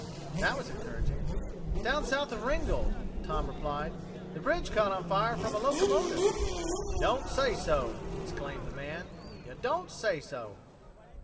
That was encouraging. "Down south of Ringgold," Tom replied. "The bridge caught on fire from a locomotive." "Y' don't say so!" exclaimed the man. "Y' don't say so!"